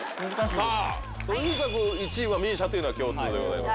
さぁとにかく１位はＭＩＳＩＡというのは共通でございます。